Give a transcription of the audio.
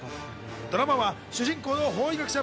ドラマは主人公の法医学者